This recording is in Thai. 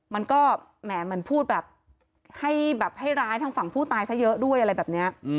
มันก็แหมเหมือนพูดแบบให้แบบให้ร้ายทางฝั่งผู้ตายซะเยอะด้วยอะไรแบบนี้